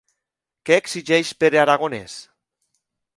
Què exigeix Pere Aragonès?